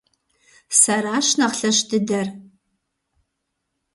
Сэращ нэхъ лъэщ дыдэр!